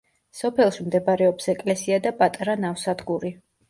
სოფელში მდებარეობს ეკლესია და პატარა ნავსადგური.